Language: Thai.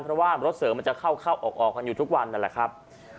เพราะว่ารถเสริมมันจะเข้าออกกันอยู่ทุกวันนั่นแหละครับ